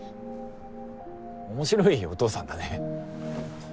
面白いお父さんだね。